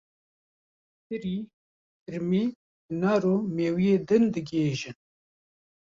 Tirî, hirmî, hinar û mêweyên din digihêjin.